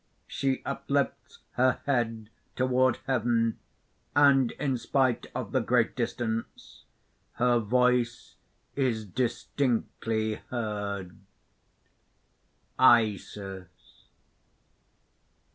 _ She uplifts her head toward heaven; and in spite of the great distance, her voice is distinctly heard:) ISIS.